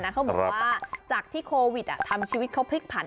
เขาบอกว่าจากที่โควิดทำชีวิตเขาพลิกผัน